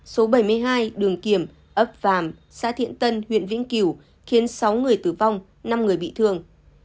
số bảy mươi hai đường kiểm ấp vàm xã thiện tân huyện vĩnh cửu khiến sáu người tử vong năm người bị thương